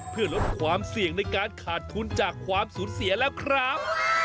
เพื่อลดความเสี่ยงในการขาดทุนจากความสูญเสียแล้วครับ